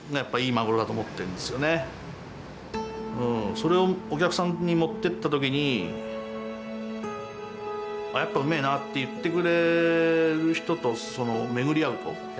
それをお客さんに持ってった時に「やっぱうめえな」って言ってくれる人と巡り合うとやっぱうれしい。